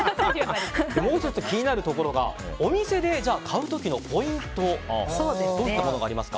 もう１つ、気になるところがお店で買う時のポイントどういったものがありますか？